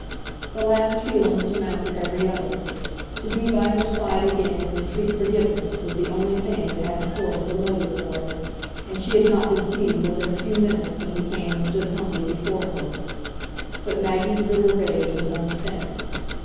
The last feeling surmounted every other; to be by her side again and entreat forgiveness was the only thing that had the force of a motive for him, and she had not been seated more than a few minutes when he came and stood humbly before her. But Maggie's bitter rage was unspent.